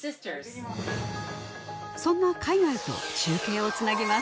そんな海外と中継をつなぎます